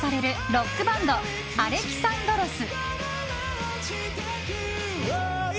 ロックバンド［Ａｌｅｘａｎｄｒｏｓ］。